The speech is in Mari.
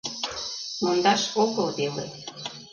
Мондаш огыл веле...